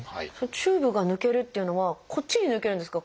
チューブが抜けるっていうのはこっちに抜けるんですか？